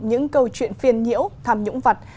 những câu chuyện phiền nhiễu tham nhũng vật